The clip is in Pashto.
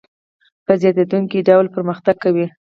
په زیاتېدونکي ډول پرمختګ کوي